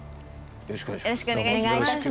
よろしくお願いします。